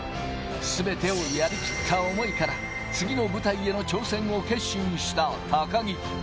すべてをやりきった思いから、次の舞台への挑戦を決心した高木。